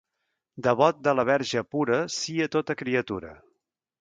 Devot de la Verge pura sia tota criatura.